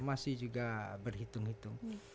masih juga berhitung hitung